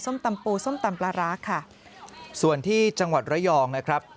ตำปูส้มตำปลาร้าค่ะส่วนที่จังหวัดระยองนะครับ